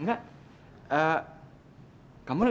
nggak pake nih